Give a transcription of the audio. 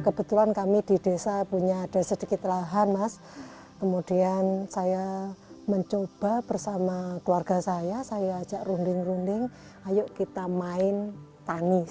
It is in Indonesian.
kebetulan kami di desa punya ada sedikit lahan mas kemudian saya mencoba bersama keluarga saya saya ajak runding runding ayo kita main tani